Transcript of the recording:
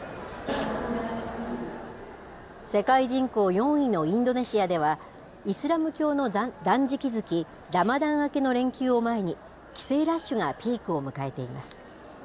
世界人口４位のインドネシアでは、イスラム教の断食月、ラマダン明けの連休を前に、帰省ラッシュがピークを迎えています。